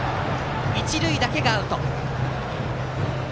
一塁だけがアウト。